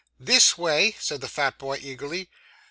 'This way,' said the fat boy eagerly.